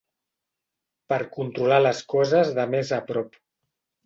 Per controlar les coses de més a prop.